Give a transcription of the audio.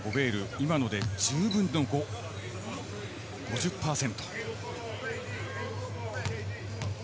今ので１０分の５、５０％。